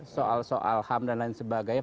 soal soal ham dan lain sebagainya